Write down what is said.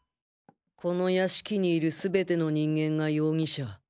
この屋敷にいる全ての人間が容疑者